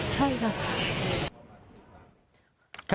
ใช่ครับ